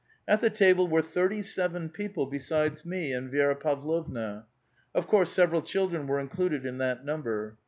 At the table were thirty seven people besides me and Vi6ra Pavlovna. Of course several children were included in that number.